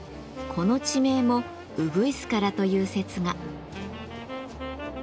この地名もうぐいすからという説が。